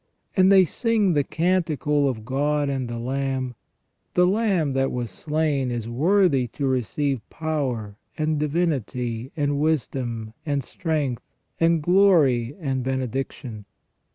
And they sing the canticle of God and the Lamb :*' The Lamb that was slain is worthy to receive power, and divinity, and wisdom, and strength, and glory, and benediction